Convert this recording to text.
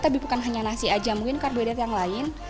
tapi bukan hanya nasi aja mungkin karbohidrat yang lain